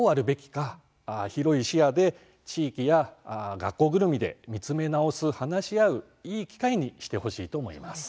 広い視野で地域や学校ぐるみで見つめ直す、話し合ういい機会にしてほしいと思います。